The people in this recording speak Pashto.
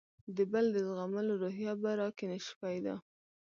د بل د زغملو روحیه به راکې نه شي پیدا.